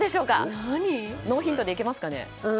ノーヒントで行けますか。